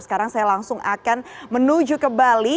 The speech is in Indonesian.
sekarang saya langsung akan menuju ke bali